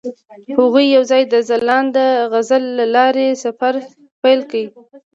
هغوی یوځای د ځلانده غزل له لارې سفر پیل کړ.